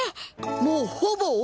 もうほぼ俺！？